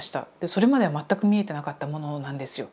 それまでは全く見えてなかったものなんですよ。